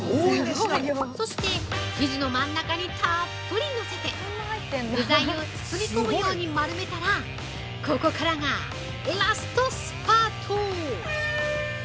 そして、生地の真ん中にたっぷりのせて具材を包み込むように丸めたらここからがラストスパート！